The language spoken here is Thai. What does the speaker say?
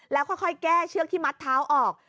แล้วค่อยแก้เชือกที่มัดเท้าออก